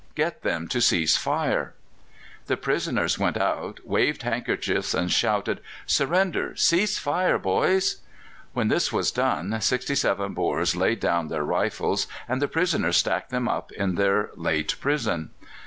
Get them to cease fire." The prisoners went out, waved handkerchiefs, shouted, "Surrender! Cease fire, boys." When this was done sixty seven Boers laid down their rifles, and the prisoners stacked them up in their late prison.